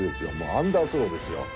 アンダースローですよ。